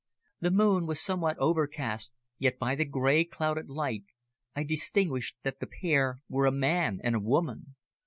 The moon was somewhat overcast, yet by the grey, clouded light I distinguished that the pair were a man and a woman.